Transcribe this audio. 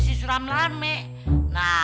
si suram rame nah